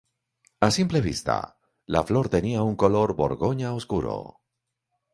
A simple vista, la flor tenía un color borgoña oscuro.